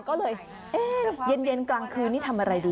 ก็เลยเย็นกลางคืนนี่ทำอะไรดี